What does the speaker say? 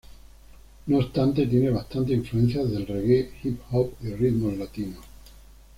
No obstante tiene bastantes influencias del reggae, hip hop y ritmos latinos.